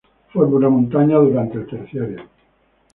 Forma una montaña durante el Terciario.